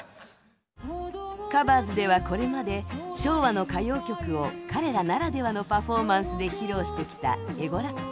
「ＴｈｅＣｏｖｅｒｓ」ではこれまで昭和の歌謡曲を彼らならではのパフォーマンスで披露してきたＥＧＯ−ＷＲＡＰＰＩＮ’。